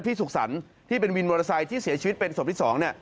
พี่สุขศัลที่เป็นวินโมโทรไซค์ที่เสียชีวิตเป็นศพที่๒